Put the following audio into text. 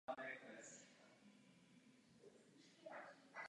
Může se jednat o problémy bezpečnostní i problémy s pády programů.